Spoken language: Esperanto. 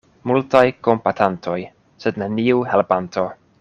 Multaj kompatantoj, sed neniu helpanto.